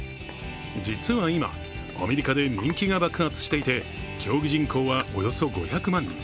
実は今、アメリカで人気が爆発していて、競技人口はおよそ５００万人。